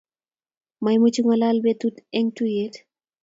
maimuch kongalal betuu eng tuiyet